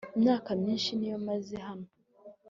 imyaka myinshi niyo maze hano